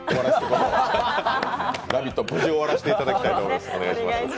「ラヴィット！」を無事に終わらせていただきたいと思います。